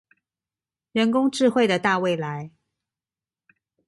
人工智慧的大未來